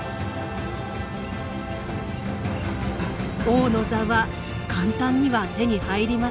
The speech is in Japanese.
王の座は簡単には手に入りません。